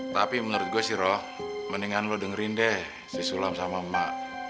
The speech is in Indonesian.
tapi menurut gue sih roh mendingan lu dengerin deh si sulam sama emak